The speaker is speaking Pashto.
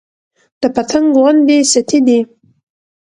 د پتنګ غوندې ستي دى